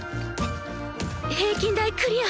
平均台クリア。